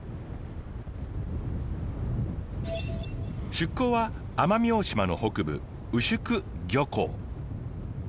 出港は奄美大島の北部宇宿漁港。